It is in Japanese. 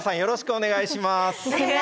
お願いします。